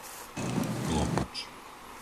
Klokoč